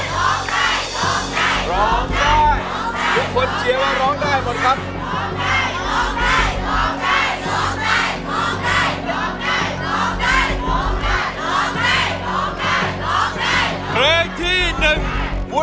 ร้องได้ร้องได้ร้องได้ร้องได้ร้องได้ร้องได้ร้องได้ร้องได้ร้องได้ร้องได้